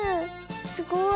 すごい。